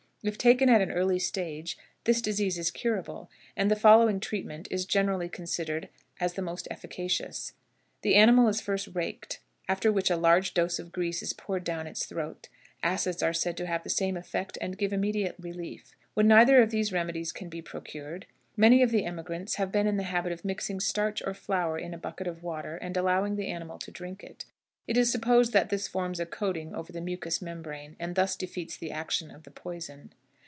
If taken at an early stage, this disease is curable, and the following treatment is generally considered as the most efficacious. The animal is first raked, after which a large dose of grease is poured down its throat; acids are said to have the same effect, and give immediate relief. When neither of these remedies can be procured, many of the emigrants have been in the habit of mixing starch or flour in a bucket of water, and allowing the animal to drink it. It is supposed that this forms a coating over the mucous membrane, and thus defeats the action of the poison.